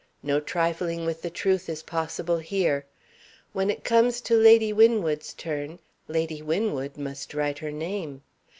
No trifling with the truth is possible here. When it comes to Lady Winwood's turn, Lady Winwood must write her name.